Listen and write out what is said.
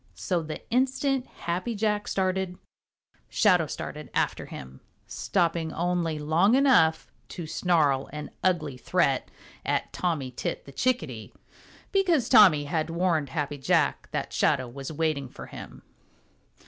So the instant Happy Jack started, Shadow started after him, stopping only long enough to snarl an ugly threat at Tommy Tit the Chickadee, because Tommy had warned Happy Jack that Shadow was waiting for him.